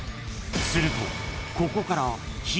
［するとここから］